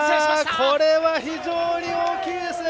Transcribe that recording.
これは非常に大きいですね。